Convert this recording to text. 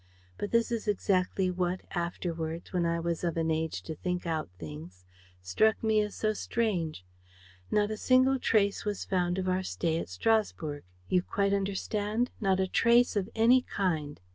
But this is exactly what afterwards, when I was of an age to think out things, struck me as so strange: not a single trace was found of our stay at Strasburg. You quite understand? Not a trace of any kind.